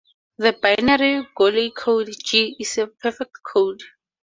The binary Golay code, "G" is a perfect code.